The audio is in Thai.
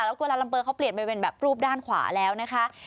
แล้วกุลาลัมเปอร์เขาเปลี่ยนไปเป็นแบบรูปด้านขวาแล้วนะคะ